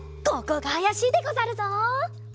ここがあやしいでござるぞ！